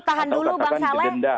tahan dulu bang saleh